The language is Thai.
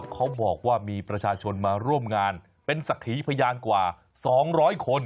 เขาบอกว่ามีประชาชนมาร่วมงานเป็นสักขีพยานกว่า๒๐๐คน